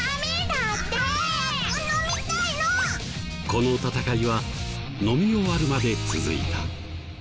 この戦いは飲み終わるまで続いた。